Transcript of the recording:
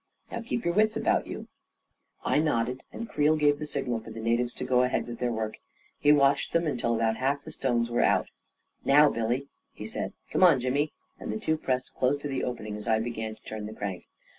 Now keep your wits about you !" I nodded, and Creel gave the signal for the na tives to go ahead with their work. He watched them until about half the stones were out. " Now, Billy !" he said. " Come on, Jimmy," and the two pressed close to the opening as I began to turn the crank.